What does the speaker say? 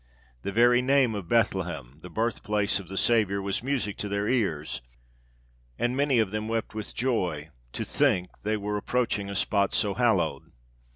The very name of Bethlehem, the birthplace of the Saviour, was music to their ears, and many of them wept with joy to think they were approaching a spot so hallowed.